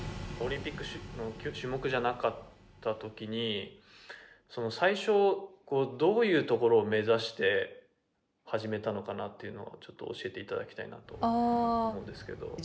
オリンピックの種目じゃなかったときに最初、どういうところを目指して始めたのかなというのをちょっと教えていただきたいなと思うんですけど。